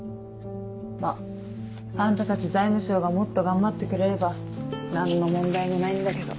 まぁあんたたち財務省がもっと頑張ってくれれば何の問題もないんだけど。